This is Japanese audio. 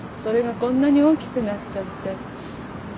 それがこんなに大きくなっちゃって。